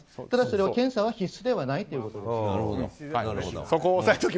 ただ、それは検査は必須ではないということです。